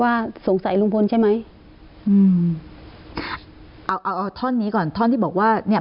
ว่าสงสัยลุงพลใช่ไหมอืมเอาเอาเอาท่อนนี้ก่อนท่อนที่บอกว่าเนี้ย